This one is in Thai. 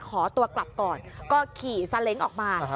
ขอตัวกลับก่อนก็ขี่ซาเล้งออกมา